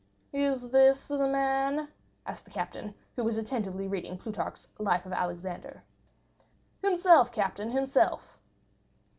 "Is this the man?" asked the captain, who was attentively reading Plutarch's Life of Alexander. "Himself, captain—himself."